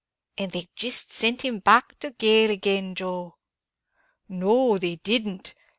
"And they jist sent him back to gaol agin, Joe?" "No, they didn't!